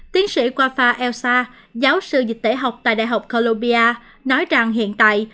tiến sĩ kwafa elsa giáo sư dịch tế học tại đại học columbia nói rằng hiện tại